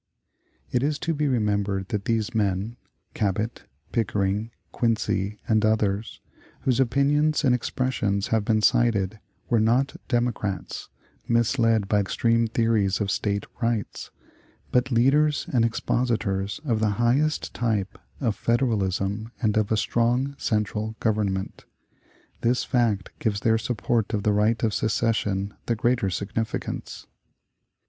It is to be remembered that these men Cabot, Pickering. Quincy, and others whose opinions and expressions have been cited, were not Democrats, misled by extreme theories of State rights, but leaders and expositors of the highest type of "Federalism, and of a strong central Government." This fact gives their support of the right of secession the greater significance.